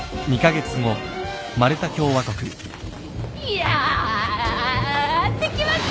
やって来ました！